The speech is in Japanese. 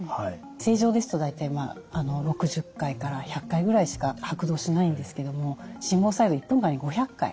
正常ですと大体６０回から１００回ぐらいしか拍動しないんですけども心房細動１分間に５００回。